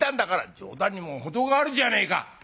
「冗談にも程があるじゃねえか」。